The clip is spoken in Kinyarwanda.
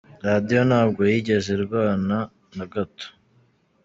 "Radio ntabwo yigeze arwana na gato.